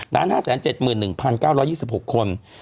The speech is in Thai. ล้านห้าแสนเจ็ดหมื่น๑๙๒๖คน